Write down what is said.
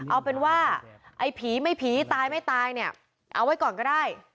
เอาเป็นว่าไอ้ผีไม่ผีตายไม่ตายเนี่ยเอาไว้ก่อนก็ได้